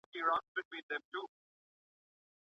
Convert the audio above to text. ولي نېکمرغي تل په هر حالت کي له موږ سره نه وي؟